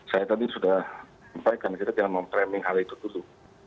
saya tadi sudah sampaikan kita jangan memframing hal itu dulu